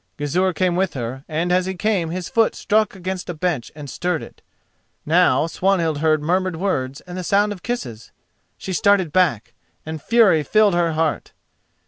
Gizur came with her, and as he came his foot struck against a bench and stirred it. Now Swanhild heard murmured words and the sound of kisses. She started back, and fury filled her heart.